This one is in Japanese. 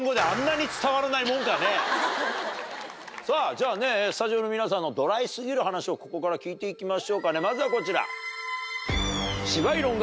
じゃあねスタジオの皆さんのドライ過ぎる話をここから聞いていきましょうかねまずはこちら。